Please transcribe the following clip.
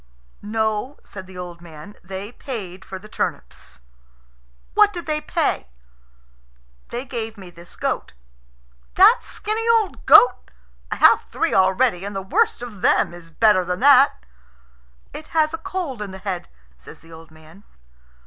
"No," said the old man; "they paid for the turnips." "What did they pay?" "They gave me this goat." "That skinny old goat! I have three already, and the worst of them is better than that." "It has a cold in the head," says the old man.